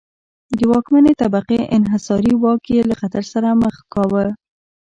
د واکمنې طبقې انحصاري واک یې له خطر سره مخ کاوه.